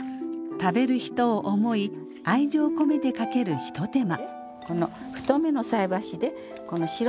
食べる人を思い愛情を込めてかける一手間。